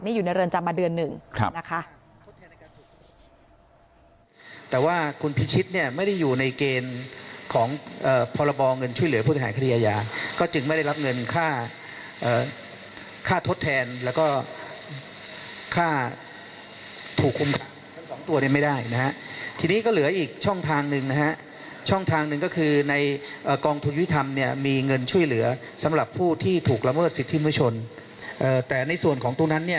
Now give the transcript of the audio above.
อยู่ในเรือนจำมาเดือนหนึ่งนะคะ